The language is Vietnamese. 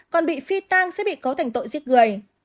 còn bị phi tang sẽ bị cấu thành tội giết người